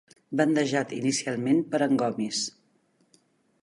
Bandejat inicialment per en Gomis.